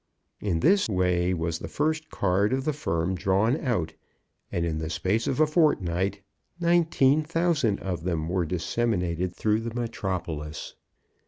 In this way was the first card of the firm drawn out, and in the space of a fortnight, nineteen thousand of them were disseminated through the metropolis.